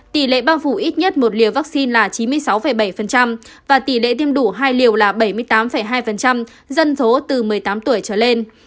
tỷ lệ bao phủ ít nhất một liều vaccine là chín mươi sáu bảy và tỷ lệ tiêm đủ hai liều là bảy mươi tám hai dân số từ một mươi tám tuổi trở lên